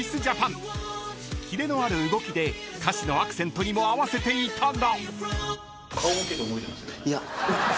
［キレのある動きで歌詞のアクセントにも合わせていたが］